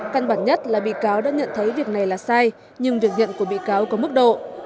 căn bản nhất là bị cáo đã nhận thấy việc này là sai nhưng việc nhận của bị cáo có mức độ